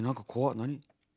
何？